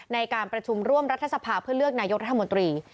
ในการประชุมร่วมรัฐสภาเพื่อเลือกนายกรัฐมนตรี